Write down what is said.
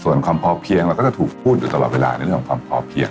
ส่วนความพอเพียงเราก็จะถูกพูดอยู่ตลอดเวลาในเรื่องของความพอเพียง